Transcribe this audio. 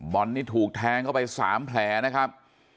อนนี่ถูกแทงเข้าไป๓แผลนะครับ